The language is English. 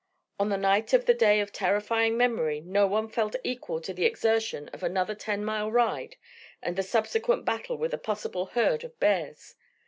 On the night of the day of terrifying memory no one felt equal to the exertion of another ten mile ride and the subsequent battle with a possible herd of bears.